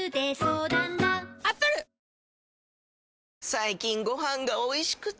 最近ご飯がおいしくて！